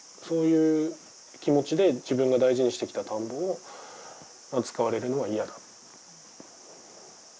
そういう気持ちで自分の大事にしてきた田んぼを扱われるのは嫌だ。